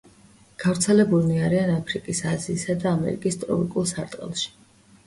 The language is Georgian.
გავრცელებულნი არიან აფრიკის, აზიისა და ამერიკის ტროპიკულ სარტყელში.